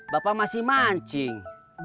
bapak masih mancing